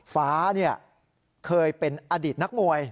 ฟ้าเนี่ยเคยเป็นอดิตนักมวย